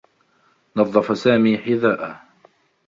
نظّف سامي حذاءه.